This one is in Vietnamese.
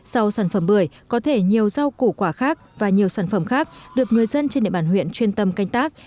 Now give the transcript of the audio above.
sau sản phẩm bưởi có thể nhiều rau củ quả khác và nhiều sản phẩm khác được người dân trên địa bàn huyện chuyên tâm canh tác